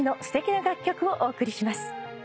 すてきな楽曲をお送りします。